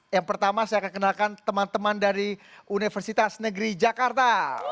yang pertama saya akan kenalkan teman teman dari universitas negeri jakarta